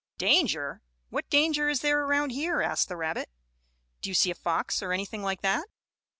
"Danger? What danger is there around here?" asked the rabbit. "Do you see a fox, or anything like that?"